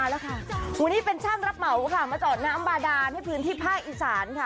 แล้วค่ะวันนี้เป็นช่างรับเหมาค่ะมาจอดน้ำบาดานในพื้นที่ภาคอีสานค่ะ